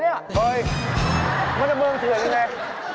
ไม่ใช่เมืองทวนนะ